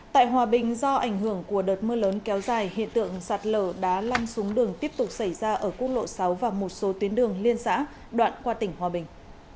tại hòa bình do ảnh hưởng của đợt mưa lớn kéo dài hiện tượng sạt lở đã lăn xuống đường tiếp tục xảy ra ở quốc lộ sáu và một số tuyến đường liên xã đoạn qua tỉnh hòa bình